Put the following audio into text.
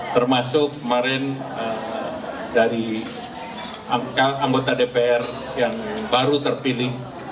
termasuk kemarin dari angka anggota dpr yang baru terpilih